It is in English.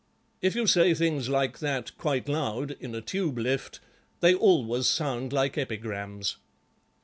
If you say things like that, quite loud, in a Tube lift, they always sound like epigrams."